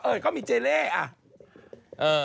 เออก็มีเจเล่